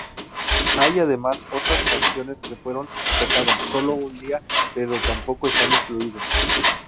Hay además otras canciones que fueron tocadas sólo un día, pero tampoco están incluidas.